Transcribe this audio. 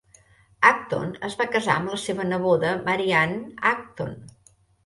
Acton es va casar amb la seva neboda Mary Anne Acton.